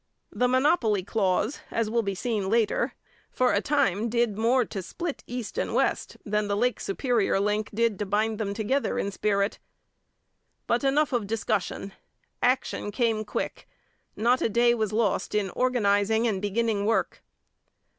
The monopoly clause, as will be seen later, for a time did more to split East and West than the Lake Superior link did to bind them together in spirit. But enough of discussion. Action came quick. Not a day was lost in organizing and beginning work.